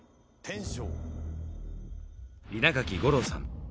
稲垣吾郎さん